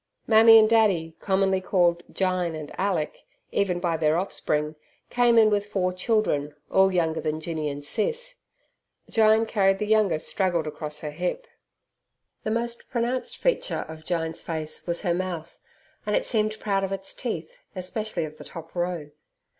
Mammy and Daddy commonly called "Jyne" and "Alick" even by their offspring came in with four children, all younger than Jinny and Sis. Jyne carried the youngest straddled across her hip. The most pronounced feature of Jyne's face was her mouth, and it seemed proud of its teeth, especially of the top row.